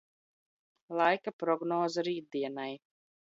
Laika prognoze rītdienai.